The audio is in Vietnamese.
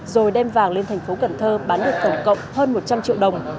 rồi đem vàng lên thành phố cần thơ bán được tổng cộng hơn một trăm linh triệu đồng